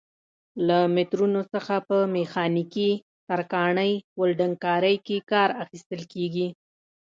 له مترونو څخه په میخانیکي، ترکاڼۍ، ولډنګ کارۍ کې کار اخیستل کېږي.